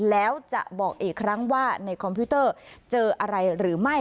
แล้วจะบอกอีกครั้งว่าในคอมพิวเตอร์เจออะไรหรือไม่